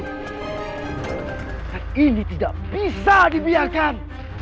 dan ini tidak bisa dibiarkan